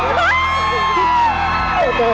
พี่สิทธิ์พี่สิทธิ์